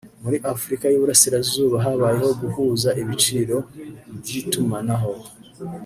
muri Afurika y’Iburasirazuba habayeho guhuza ibiciro by’itumanaho